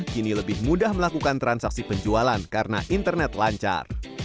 kini lebih mudah melakukan transaksi penjualan karena internet lancar